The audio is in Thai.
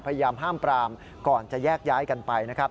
พยายามห้ามปรามก่อนจะแยกย้ายกันไปนะครับ